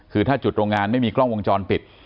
คือถ้าจุดโรงงานไม่มีกล้องวงจรปิด